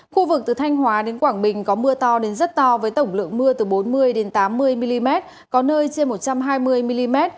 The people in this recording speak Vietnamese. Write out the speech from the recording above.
khu vực từ thanh hóa đến quảng bình có mưa to đến rất to với tổng lượng mưa từ bốn mươi tám mươi mm có nơi trên một trăm hai mươi mm